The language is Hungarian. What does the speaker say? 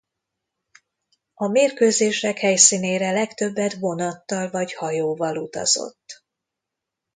A mérkőzések helyszínére legtöbbet vonattal vagy hajóval utazott.